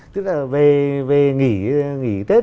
tức là về nghỉ tết